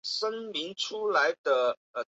参加了湘鄂赣边区的游击战。